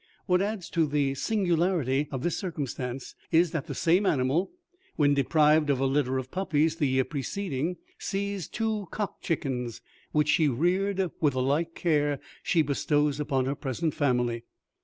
What adds to the singularity of this circumstance is, that the same animal when deprived of a litter of puppies the year preceding, seized two cock chickens, which she reared with the like care she bestows upon her present family.